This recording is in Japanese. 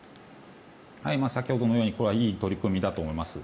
先ほどのようにいい取り組みだと思います。